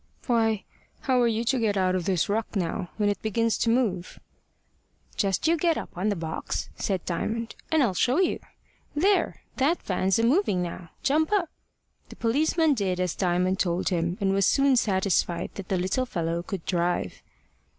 "Why, how are you to get out of this ruck now, when it begins to move?" "Just you get up on the box," said Diamond, "and I'll show you. There, that van's a moving now. Jump up." The policeman did as Diamond told him, and was soon satisfied that the little fellow could drive.